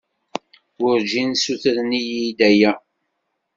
Werjin ssutren-iyi-d aya.